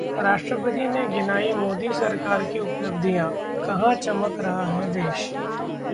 राष्ट्रपति ने गिनाई मोदी सरकार की उपलब्धियां, कहा- चमक रहा है देश